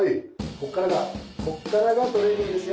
こっからがこっからがトレーニングですよ。